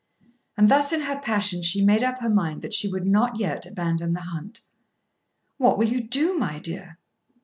And thus in her passion she made up her mind that she would not yet abandon the hunt. "What will you do, my dear?"